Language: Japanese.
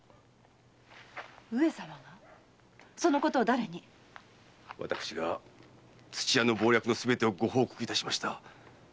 そのことを誰に⁉私が土屋の謀略のすべてをご報告いたしました。